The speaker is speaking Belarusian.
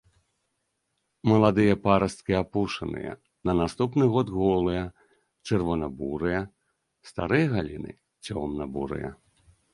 Маладыя парасткі апушаныя, на наступны год голыя, чырвона-бурыя, старыя галіны цёмна-бурыя.